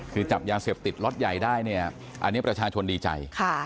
คือจับยาเสพติดล็อตใหญ่ได้เนี่ยอันนี้ประชาชนดีใจ